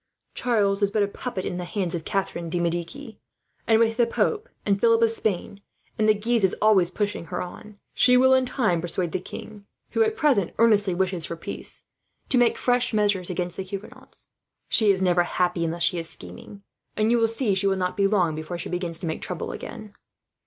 Charles is but a puppet in the hands of Catherine de Medici; and with the pope, and Philip of Spain, and the Guises always pushing her on, she will in time persuade the king, who at present earnestly wishes for peace, to take fresh measures against the Huguenots. She is never happy unless she is scheming, and you will see she will not be long before she begins to make trouble, again."